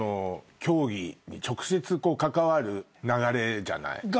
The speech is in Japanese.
競技に直接関わる流れじゃない。